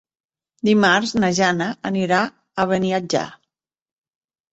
Dimarts na Jana anirà a Beniatjar.